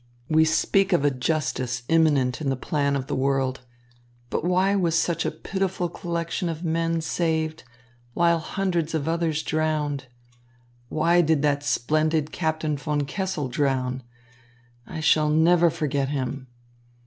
"We speak of a justice imminent in the plan of the world. But why was such a pitiful collection of men saved, while hundreds of others drowned? Why did that splendid Captain von Kessel drown? I shall never forget him.